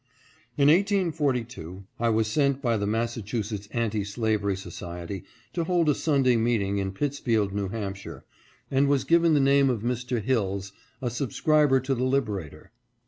In 1842 I was sent by the Massachusetts Anti Slavery Society to hold a Sunday meeting in Pittsfield,N. II., and was given the name of Mr. Hilles, a subscriber to the Lib erator.